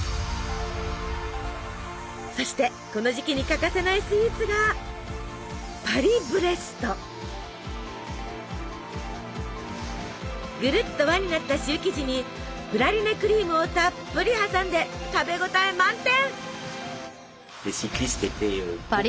そしてこの時期に欠かせないスイーツがぐるっと輪になったシュー生地にプラリネクリームをたっぷり挟んで食べ応え満点！